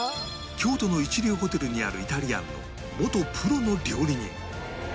京都の一流ホテルにあるイタリアンの元プロの料理人